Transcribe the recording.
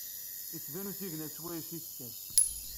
Ittban usigna swayes i tekkat.